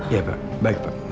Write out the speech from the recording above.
iya pak baik pak